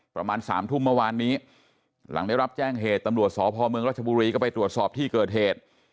ประมาณสามทุ่มเมื่อวานนี้หลังได้รับแจ้งเหตุตำรวจสพเมืองรัชบุรีก็ไปตรวจสอบที่เกิดเหตุ